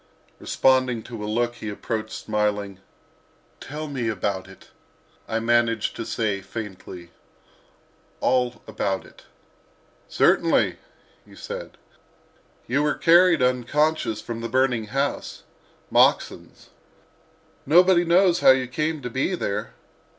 Responding to a look he approached, smiling. "Tell me about it," I managed to say, faintly—"all about it." "Certainly," he said; "you were carried unconscious from a burning house—Moxon's. Nobody knows how you came to be there.